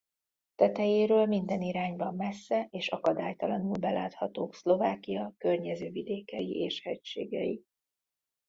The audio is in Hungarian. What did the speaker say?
Tetejéről minden irányban messze és akadálytalanul beláthatók Szlovákia környező vidékei és hegységei.